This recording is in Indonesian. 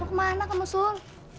kau kemana kamu sul